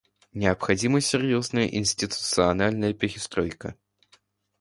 Необходима серьезная институциональная перестройка.